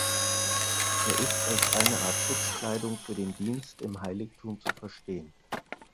Er ist als eine Art Schutzkleidung für den Dienst im Heiligtum zu verstehen.